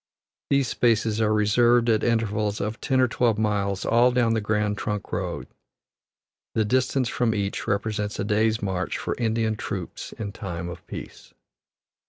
These spaces are reserved at intervals of ten or twelve miles all down the Grand Trunk Road; the distance from each represents a day's march for Indian troops in time of peace.